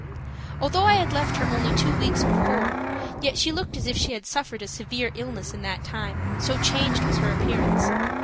Although I had left her only two weeks before, yet she looked as if she had suffered a severe illness, in that time, so changed was her appearance.